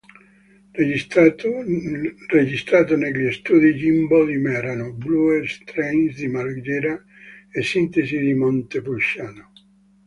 Registrato negli studi Jimbo di Merano, Blue Trains di Marghera e Sintesi di Montepulciano.